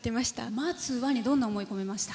「待つわ」にどんな思いを込めました？